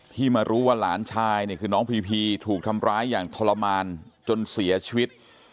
มารู้ว่าหลานชายเนี่ยคือน้องพีพีถูกทำร้ายอย่างทรมานจนเสียชีวิต